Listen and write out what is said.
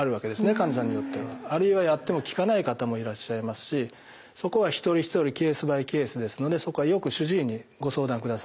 患者さんによっては。あるいはやっても効かない方もいらっしゃいますしそこは一人一人ケースバイケースですのでよく主治医にご相談ください。